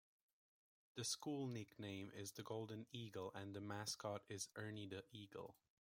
The school nickname is the Golden Eagle and the mascot is Ernie the Eagle.